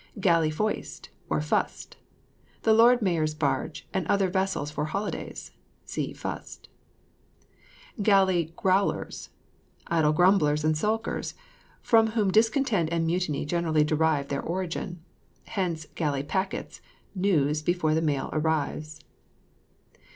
GALLEY FOIST OR FUST. The lord mayor's barge, and other vessels for holidays. (See FUST.) GALLEY GROWLERS. Idle grumblers and skulkers, from whom discontent and mutiny generally derive their origin. Hence, "galley packets," news before the mail arrives.